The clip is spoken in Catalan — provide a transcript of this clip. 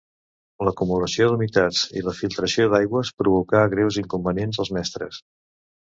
L'acumulació d'humitats i la filtració d'aigües provocà greus inconvenients als mestres.